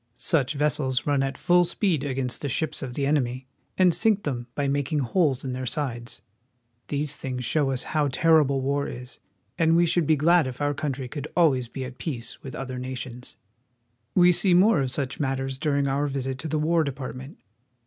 Such vessels run at full speed against the ships of the enemy, and sink them by making holes in their sides. These things show us how terrible war is, and we should be glad if our country could always be at peace with other nations. We see more of such matters during our visit to the War Department.